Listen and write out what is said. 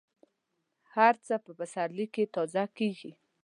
هر څه په پسرلي کې تازه کېږي.